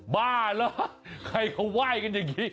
บ้าเหรอใครเขาไหว้กันอย่างนี้